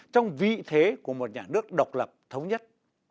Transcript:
trong vị thế của một nhà nước độc lập thống nhất